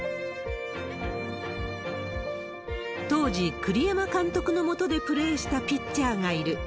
当時、栗山監督の下でプレーしたピッチャーがいる。